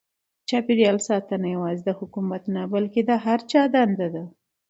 د چاپیریال ساتنه یوازې د حکومت نه بلکې د هر چا دنده ده.